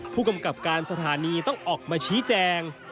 ผู้กำกับการสถานีต้องออกมาชี้แจง